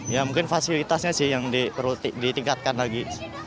ya mungkin fasilitasnya sih yang perlu ditingkatkan lagi